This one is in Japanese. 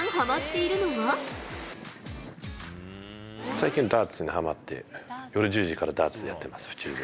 最近、ダーツにはまって、夜１０時からダーツやってます、うちで。